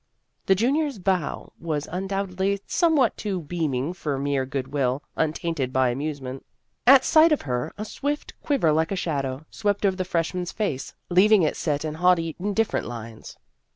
The junior's bow was un doubtedly somewhat too beaming for mere good will untainted by amusement. At sight of her, a swift quiver like a shadow swept over the freshman's face, leaving it set in haughtily indifferent lines.